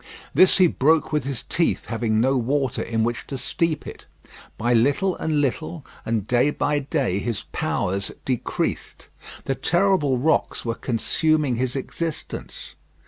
This he broke with his teeth, having no water in which to steep it. By little and little, and day by day, his powers decreased. The terrible rocks were consuming his existence.